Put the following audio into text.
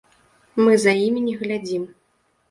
Мы за імі не глядзім.